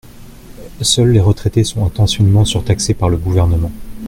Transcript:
Seuls les retraités sont intentionnellement surtaxés par le Gouvernement.